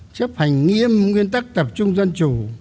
chấp hành nghiêm nguyên tắc tập trung dân chủ